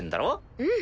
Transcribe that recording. うん。